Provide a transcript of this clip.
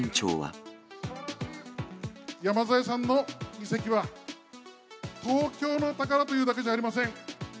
山添さんの議席は、東京の宝というだけじゃありません。